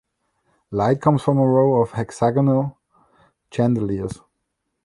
Light comes from a row of hexagonal chandeliers.